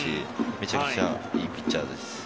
めちゃくちゃいいピッチャーです。